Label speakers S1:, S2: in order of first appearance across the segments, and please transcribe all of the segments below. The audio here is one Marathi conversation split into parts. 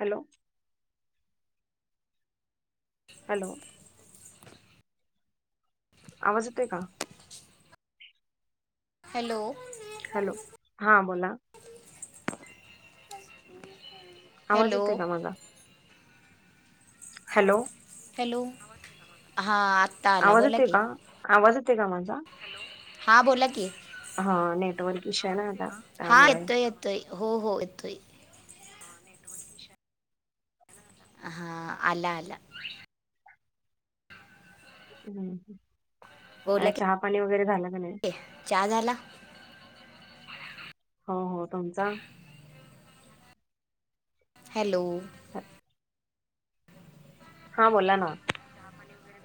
S1: हॅलो हॅलो आवाज येत आहे का
S2: हॅलो
S1: हॅलो हा बोला आवाज
S2: हॅलो
S1: येतोय का माझा? हॅलो.
S2: हॅलो. हा. आत -
S1: आवाज येतोय का? आवाज येतोय का माझा?
S2: हां बोला की.
S1: हा. नेटवर्क इशु आहे ना आता
S2: हां
S1: त्यामुळे.
S2: येतोय येतोय. हो हो येतोय. हा. आला आला.
S1: हम् ह.
S2: बोला
S1: नाही
S2: की. चहा झाला?
S1: हो हो. तुमचा?
S2: हॅलो.
S1: [unintelligible] हा बोला ना.
S2: [unintelligible]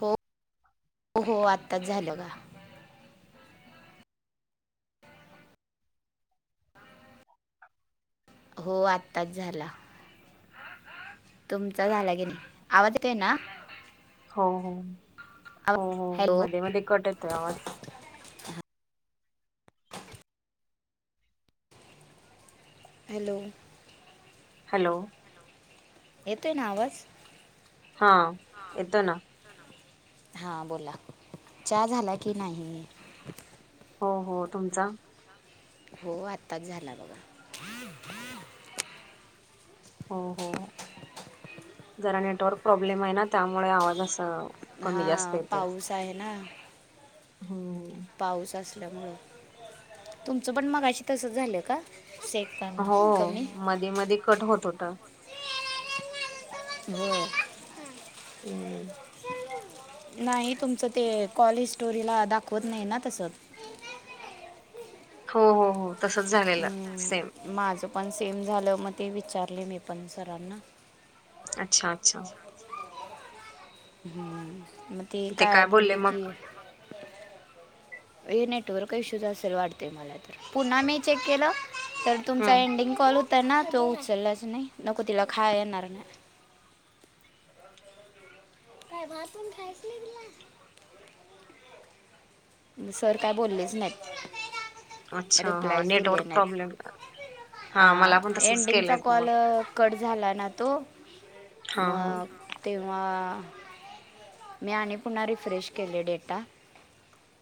S2: हो. हो हो आत्ताच झालं गा. हो आत्ताच झाला. तुमचा झाला की नाही? आवाज येतोय ना?
S1: हो हो.
S2: आवा
S1: हो हो.
S2: हॅलो
S1: मध्ये मध्ये कट येतोय आवाज.
S2: हॅलो.
S1: हॅलो.
S2: येतोय ना आवाज?
S1: हा. येतो ना.
S2: हा बोला. चहा झाला की नाही?
S1: हो हो. तुमचा?
S2: हो आत्ताच झाला बघा.
S1: हो हो. जरा नेटवर्क प्रॉब्लेम आहे ना? त्यामुळे आवाज अस-
S2: हा. पाऊस आहे ना?
S1: हम्म.
S2: पाऊस असल्यामुळ. तुमचं पण मगाशी तसं झालं का? सेट-
S1: हो. मधे मधे कट होत होता.
S2: हो.
S1: हम्.
S2: नाही. तुमचं ते कॉल स्टोरीला दाखवत नाही ना तसं.
S1: हो हो हो. तसच झालं.
S2: हम्. माझ पण सेम झालं. मग ते विचारले मी पण सरांना.
S1: अच्छा अच्छा.
S2: हम्म. मग ते काय बोलले कि- हे नेटवर्क इश्यूच असेल वाटतंय मला तर. पुन्हा नाही चेक केलं? तर तुमचा
S1: हं.
S2: एंडिंग कॉल होता ना? तो उचललाच नाही. नको तिला खाया येणार नाही. काय भात पण खायच नाही कि ना सर काय बोललेच नाहीत.
S1: अच्छा, हां.
S2: रिप्लायच दिले
S1: नेटवर्क
S2: नाही.
S1: प्रॉब्लेम. हां, मला पण
S2: अं
S1: तसंच
S2: एंडिंगचा
S1: केलंय मग.
S2: कॉल- कट झाला ना तो?
S1: हां, हां.
S2: मग तेव्हा- मी आणि पुन्हा रिफ्रेश केले डेटा.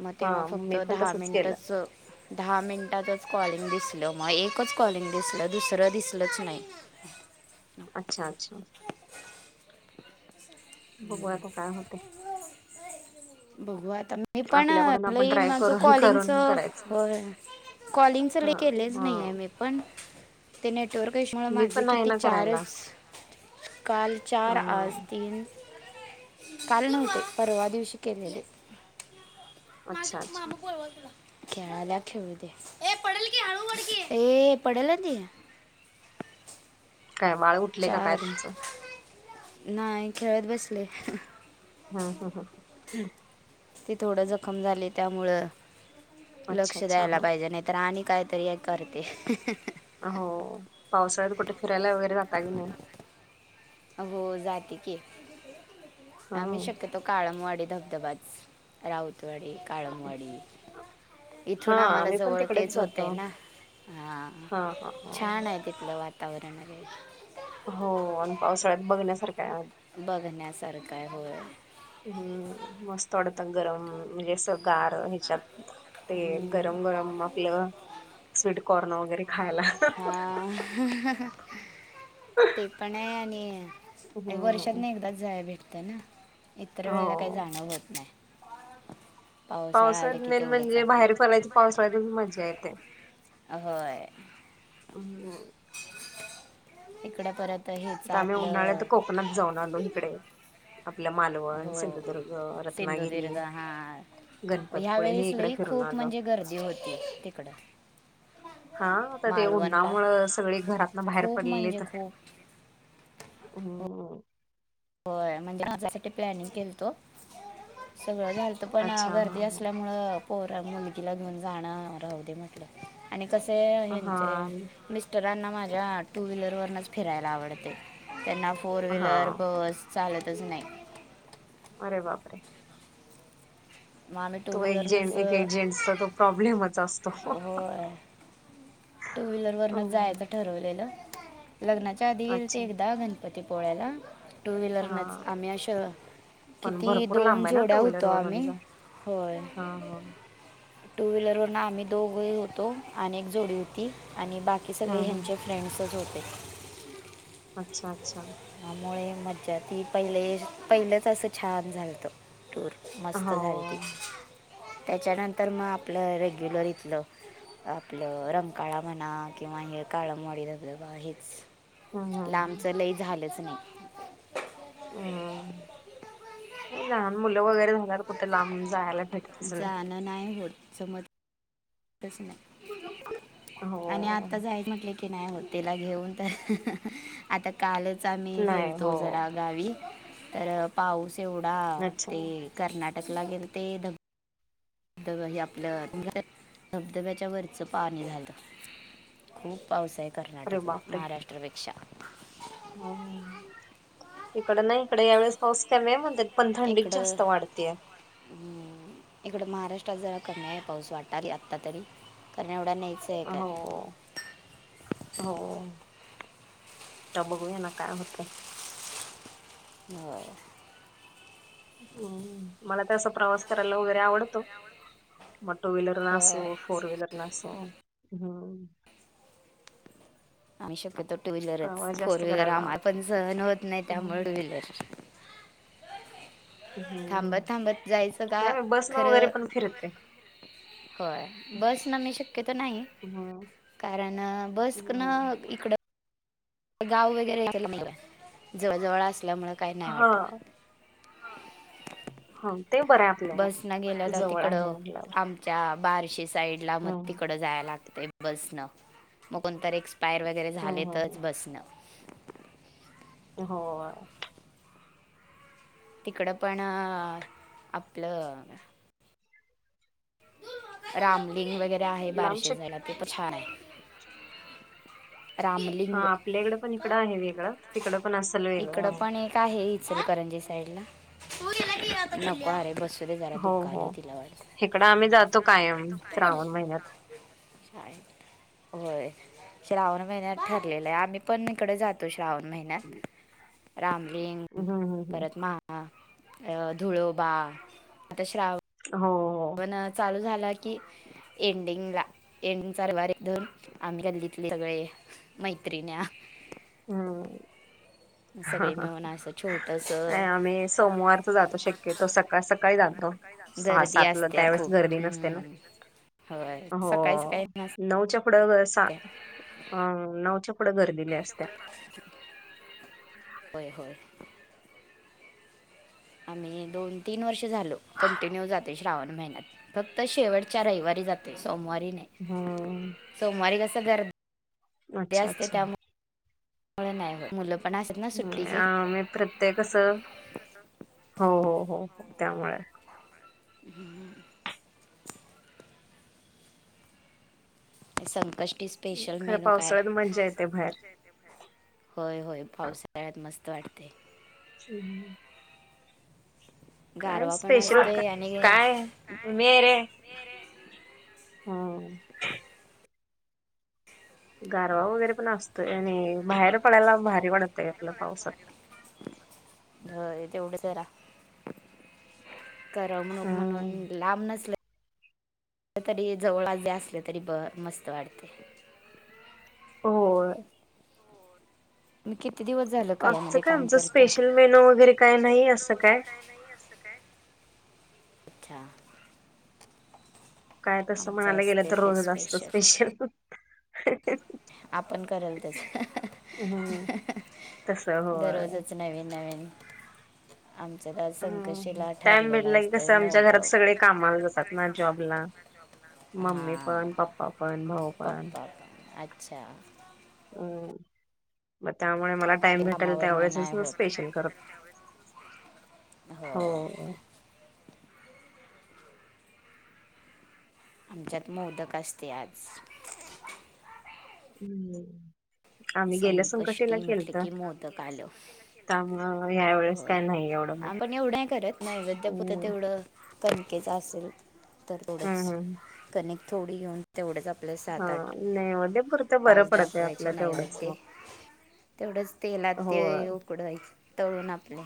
S2: मग तेव्हा
S1: हां,
S2: फक्त
S1: मी पण
S2: दहा
S1: तसंच केलं.
S2: मिनिटच- दहा मिनटाचच कॉलिंग दिसलं मग. एकच कॉलिंग दिसलं दुसरं दिसलच नाही.
S1: अच्छा अच्छा. बघू
S2: हम्म.
S1: आता काय होतंय.
S2: हम्म. बघू या आता - मी पण
S1: आपल्याकडून आपण
S2: लई
S1: ट्राय
S2: माझं
S1: करून
S2: कॉलिंगच
S1: करून करायचं.
S2: होय. कॉलिंग च ल
S1: हां,
S2: केलेच नाही आहे
S1: हां.
S2: मी पण ते नेटवर्क हशमु
S1: मी
S2: माझे
S1: पण नाही
S2: किती
S1: ना करायला.
S2: चारच. काल चार आज
S1: हां.
S2: तीन काल नव्हते परवा दिवशी केलेले
S1: अच्छा,
S2: मामा
S1: अच्छा.
S2: बु खेळा खेड प पडल.
S1: काय बाळ उठले काय
S2: चार
S1: तुमचं?
S2: नाही खेळत बसले.
S1: हम् हम हम्.
S2: ती थोडं जखम झाली त्यामुळं
S1: अच्छा,
S2: लक्ष
S1: अच्छा.
S2: द्यायला
S1: हां.
S2: पाहिजे नाही. तर आणि काहीतरी हे करते.
S1: हो पावसाळत कुठे फिरायला वगैरे जाता की नाही.
S2: हो जाते की आम्ही
S1: हां.
S2: शक्य. तो काळमवाडी धबधबाच राऊतवाडी काळमवाडी इथून
S1: हां,
S2: आम्हाला
S1: आम्ही पण
S2: जवळ
S1: तिकडेच
S2: तेच होतय
S1: जातो.
S2: ना. हा
S1: हा
S2: छान आहे
S1: हा
S2: तिथलं वातावरण
S1: हो आणि पावसाळ्यात बघण्यासारखा आहे.
S2: बघण्यासारखं होय.
S1: हम्म मस्त थोडंत गरम म्हणजे असं गार ह्याच्यात ते गरम गरम आपलं. स्वीटकॉर्न वगैरे खायला.
S2: हा. ते पण आहे आणि वर्षात
S1: हम्म
S2: ना एकदाच जाय भेटतं ना. इतर
S1: हो
S2: वेळेला काही जाणव होत नाही. पावसाळा
S1: पावसात
S2: आलं की
S1: मेन
S2: तेवढंच
S1: म्हणजे बाहेर
S2: आपलं
S1: फडयच पावसाळ्या त मजा येते.
S2: होय.
S1: हम्म
S2: इकड परत हच
S1: आता आम्ही उन्हाळ्यात
S2: आपलं.
S1: कोकणात जाऊन आलो इकडे. आपलं मालवण,
S2: हो
S1: सिंधुदुर्ग,
S2: तीन ददीग
S1: रत्नागिरी
S2: हहाा. ह्या
S1: गणपतपुळे हे
S2: वेळेस
S1: इकडे
S2: ल
S1: फिरून
S2: खूप
S1: आलो.
S2: म्हणजे गर्दी होती तिकडं.
S1: हा आता ते
S2: मालवणला
S1: उन्हामुळं सगळे घरातन बाहेर
S2: खूप
S1: पडलेली
S2: म्हणजे
S1: तर
S2: खूप
S1: ह.
S2: हो म्हणजे माझ्या प्लॅनिंग केलतो सगळं झालत पण
S1: अच्छा हां
S2: गर्दी
S1: हां
S2: असल्यामुळे पोहरा मुलगीला घेऊन जाणं राह दे म्हटलं आणि कसे हचे.
S1: हां
S2: मिस्टरांना माझ्या टू व्हीलरवरनच फिरायला आवडते त्यांना फोर व्हीलर.
S1: हां
S2: ब चालतच नाही.
S1: अरे बापरे.
S2: मग आम्ही टू
S1: तो एक जेंट
S2: व्हीलरनच
S1: एक एक जेंट्सचा तो प्रॉब्लेमच असतो
S2: हो आहे. टू व्हीलर वरनच जायचं
S1: हम्म,
S2: ठरवलेलं लग्नाच्या आधी गेले ते
S1: अच्छा
S2: एक दहा घंट पती पोळ्याला टू व्हीलरनच
S1: हां
S2: आम्ही अशा
S1: पण
S2: किती
S1: भरपूर
S2: दोन
S1: लांब आहे
S2: जोड्या होतो आम्ही होय.
S1: हा हा.
S2: टू व्हीलर वरन आम्ही दोघ होतो आणि एक जोडी होती आणि बाकी सगळे
S1: हम्म हम्म.
S2: ह्यांचे. फ्रेंड्सच होते.
S1: अच्छा अच्छा.
S2: त्यामुळे मज्जा ती पहिले पहिलंच असं छान झालत. टूर
S1: हो
S2: मस्त झाली ती त्याच्यानंतर मग आपलं रेग्युलर इथलं. आपलं रंगकाळा म्हणा किंवा हे काळमडी बबा हेच.
S1: हम्म हम्म हम्म.
S2: लांबचं लय झालंच नाही.
S1: हम नाही लहान मुलं वगैरे झाल्यावर कुठे लांब जायला फेट
S2: जाणं नाही होत समज नाही आणि
S1: हो
S2: आता जायच म्हटले क की नाही हो तिला घेऊन तर. आता कालच आम्ही
S1: नाही
S2: गेलतो
S1: हो
S2: जरा गावी तर पाऊस तेवढा
S1: अच्छा
S2: ते कर्नाटकला गेल ते धबधब हे आपलं धबधब्याच्या वरच पाणी झालं. खूप पाऊस आहे
S1: अरे
S2: कर्नाटकला
S1: बापरे
S2: महाराष्ट्रापेक्षा.
S1: हम्म. इकड नाही इकडे या वेळेस पाऊस कमी म्हणतात पण थंडीच
S2: इकडं
S1: जास्त वाढतेय.
S2: [unintelligible] इकडं महाराष्ट्रात जरा कमी आहे पाऊस वाटाल आत्ता तरी कारण एवढा नाहीच आहे काय.
S1: हो हो, त्या बघूया ना काय होते.
S2: [unintelligible]
S1: हम् मला तर प्रवास करायला वगैरे आवडतो. मग टू व्हीलर न असो,
S2: होय
S1: फोर व्हीलर न असो हम्म.
S2: आम्ही शक्यतो. टू व्हीलरच
S1: प्रवास
S2: फोर
S1: जास्त
S2: व्हीलर
S1: करायला
S2: आम्हाला
S1: आवडतो
S2: पण सहन होत नाही त्यामुळे
S1: हम्म
S2: टू व्हीलर.
S1: हम्म.
S2: थांबत थांबत जायचं का
S1: नाही बस न वगैरे
S2: खरं
S1: पण फिरते
S2: होय बस न मी शक्यतो नाही
S1: हम्म
S2: कारण बस
S1: हम्म
S2: न इकडं गाव वगैरे य मला जवळजवळ असल्यामुळं काही नाही
S1: हा
S2: वाटत.
S1: हो ते बर
S2: बस न गेल्या तर तिकड आम च्या बारशी साईड ला मग
S1: हम्म
S2: तिकड जाय लागते बसन मग कोणत एक्सपायर वगैरे
S1: हम्म
S2: झाले
S1: हम्म
S2: तरच बसणं.
S1: हो.
S2: तिकडं पण आपलं रामलिंग वगैरे आहे
S1: लांब
S2: बारिशे
S1: शक्य
S2: जायला ते पण छान आहे. रामली
S1: हा आपल्याकडें पण इकडं आहे वेगळं तिकडं पण असाल वेगळं मग.
S2: काय हे इचलकरंजी साईड ला. नको अरे बस जरा दुःख आली तिला वाट.
S1: हिकडं आम्ही जातो कायम श्रावण महिन्यात.
S2: होय, श्रावण महिन्यात ठरलेलं आहे आम्ही पण इकडे जात तो श्रावण महिन्यात, रामलिंग
S1: हम्म हम्म हम्म
S2: परत महा ह धुळोबा आता श्राव
S1: हो हो हो.
S2: चालू झाला की एंडिंग ला एंडिंगचा रवारीन आम्ही तथले सगळे. मैत्रिन्या.
S1: हम्म.
S2: सगळे
S1: ह
S2: मिळून असं छोटंसं
S1: आम्ही सोमवारच जातो शक्यतो सकाळ-सकाळी जातो.
S2: गर्दी
S1: सहा-सातला
S2: असत्या
S1: त्यावेेळेस
S2: खूप
S1: गर्दी नसते ना.
S2: हम्म. होय
S1: हो
S2: सकाळी सकाळी नसते
S1: नऊच्या पुढं सा, हा नावच्या पुढं गर्दील्या असत्या.
S2: होय होय. आम्ही दोन-तीन वर्ष झाल कंटिन्यू जाते श्रावण महिन्यात. फक्त शेवटच्या रविवारी जाते सोमवारी नाही
S1: हम्म.
S2: सोमवारी कस गर
S1: अच्छा! अच्छा!
S2: नाही नाही मुलं पण असतात ना
S1: ह
S2: सुट्टीचे
S1: आम्ही प्रत्येक अस हो हो हो हो त्यामुळे.
S2: [unintelligible] संकष्टी स्पेशल
S1: खर
S2: मेनू काय
S1: पावसाळ्यात मज्जा येते बाहेर.
S2: होय होय पावसाळ्यात मस्त वाटतयं.
S1: हम्म काय
S2: गारवा पण
S1: स्पेशल काय.
S2: असतोय आणि
S1: काय हाय मी हाय रे. हा गारवा वगैरे पण असतोय आणि बाहेर पडायला भारी वाटतय असल्या पावसात.
S2: होय तेवढं जरा करावं क नको म्हणून
S1: हम्म.
S2: लांब न तरी जवळल असले तरी ब मस्त वाढतयं
S1: होय
S2: म किती दिवस झालं
S1: आजचं
S2: कार्यामध्ये
S1: काय
S2: काम
S1: आमचं
S2: करताय
S1: स्पेशल मेनो वगैरे काय नाही असं काय.
S2: अच्छा
S1: काय तस
S2: आमचं
S1: म्हणायला गेलं
S2: असते
S1: तर
S2: ते
S1: रोजच असत स्पेशल
S2: आपण करल तस अ ह
S1: हम्म.
S2: ह
S1: तसं होय.
S2: दररोजच नवीन नवीन आमच काय
S1: हम्म.
S2: संकष्टीला
S1: टाइम
S2: ठरलेल असत मोदक.
S1: त्यात न जॉबला
S2: जॉबला
S1: मम्मी पण
S2: हां
S1: पप्पा पण भाऊ पण.
S2: पप्पा पण अच्छा
S1: हम्म मग त्यामुळे मला टाइम भेटेल
S2: कामावरनं
S1: त्याववेळेसच
S2: नाही होत
S1: स्पेशल करत हो
S2: आमच्यात मोदक असते आज
S1: हम्म आम्ही गेल्या संकष्टीला
S2: संकष्टी म्हटल की मोदक आल.
S1: त्यामुळ या
S2: होय आम्ही पण एवढं करत नाही करत नैवैद्यापुरत
S1: हम्म.
S2: तेवढं कनकेच असल तर थोडंस
S1: हम्म हम्म.
S2: कनीक थोडी घेऊन तेवढंच आपल्या
S1: हा
S2: सात, आठ
S1: नाही हो ते पुरतं बरं
S2: पाच
S1: पडतंय
S2: दाखवायचे
S1: आपलं तेवढंच
S2: नैवेद्य
S1: मग.
S2: तेवढंच तेलात ते
S1: होय
S2: उकडवायचं तळून आपलं.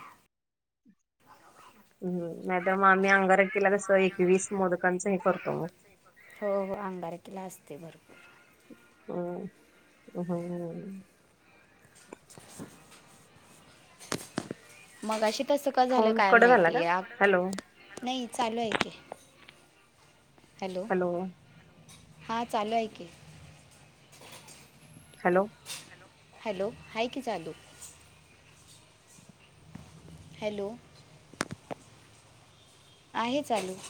S1: हम्म नाही तर मग आम्ही अंगारकी ला कस एकवीस मोदकांच हे करतो मग
S2: हो हो अंगारकीला असतय भरपूर
S1: हम्म हम्म
S2: [inaudible] मगाशी तसं का झालं
S1: फोन
S2: काय
S1: कट झाला
S2: माहिती
S1: का?
S2: अ
S1: हॅलो
S2: नाही चालू आहे की हॅलो हां चालू आहे की
S1: हॅलो
S2: हॅलो हाय की चालू हॅलो आहे चालू